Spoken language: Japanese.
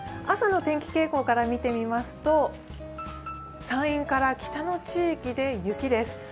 朝の天気傾向から見てみますと、山陰から北の地域で雪です。